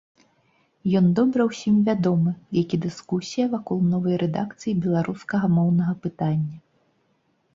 Ён добра ўсім вядомы, як і дыскусія вакол новай рэдакцыі беларускага моўнага пытання.